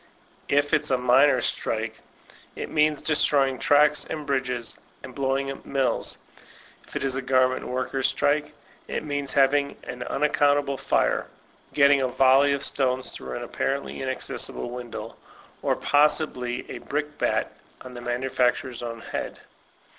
If it's a miners' strike, it means destroy ing tracks and bridges, and blowing up mills. If it b a garment workers' strike, it means having an unac countable fire, getting a volley of stones through an apparently inaccessible window, or possibly a brickbat 00 the manufacturer's own head.